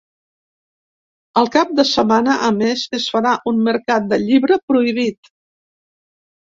El cap de setmana, a més, es farà un mercat del llibre prohibit.